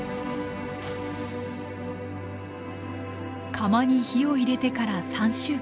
窯に火を入れてから３週間。